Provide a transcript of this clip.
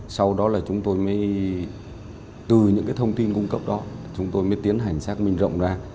sau đó là chúng tôi mới từ những cái thông tin cung cấp đó chúng tôi mới tiến hành xác minh rộng ra